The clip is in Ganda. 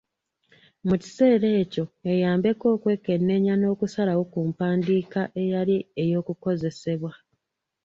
Mu kiseera ekyo eyambeko okwekenneenya n’okusalawo ku mpandiika eyali ey’okukozesebwa.